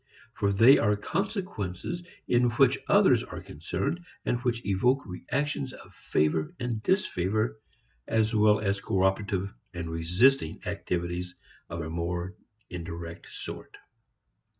For they are consequences in which others are concerned and which evoke reactions of favor and disfavor as well as cooperative and resisting activities of a more indirect sort.